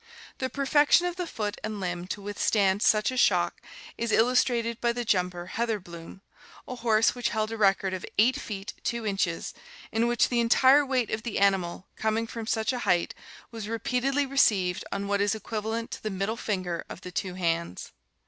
The perfection of the foot and limb to withstand such a shock is illustrated by the jumper "Heatherbloom," a horse which held a record of 8 feet 2 inches, in which the entire weight of the animal, coming from such a height, was repeatedly received on what is equivalent to the middle finger ol the two hands.